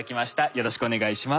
よろしくお願いします。